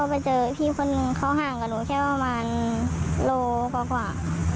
ก็ไปเจอพี่คนเขาห่างกับหนูแค่ประมาณโลกว่ากว่า